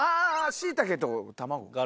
しいたけと卵か。